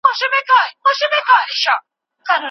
صله رحمي رزق زیاتوي.